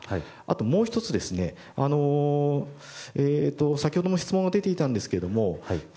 もう１つ先ほども質問が出ていたんですけど